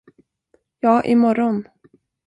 Ja, i morgon.